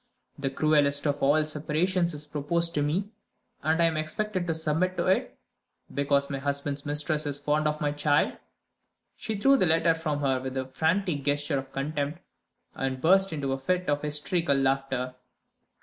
"The cruelest of all separations is proposed to me and I am expected to submit to it, because my husband's mistress is fond of my child!" She threw the letter from her with a frantic gesture of contempt and burst into a fit of hysterical laughter.